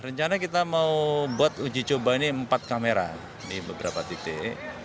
rencana kita mau buat uji coba ini empat kamera di beberapa titik